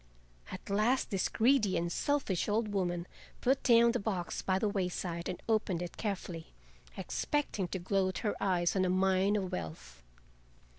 At last this greedy and selfish old woman put down the box by the wayside and opened it carefully, expecting to gloat her eyes on a mine of wealth.